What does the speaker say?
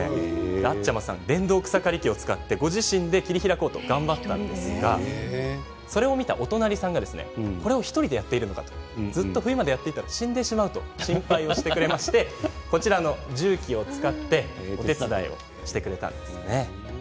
あっちゃまさん電動草刈り機を使ってご自身で切り開こうと頑張ったんですがそれを見たお隣さんがこれを１人でやっているのかとずっと冬までやっていたら死んでしまうと心配してくれましてこちらの重機を使ってお手伝いしてくれたんです。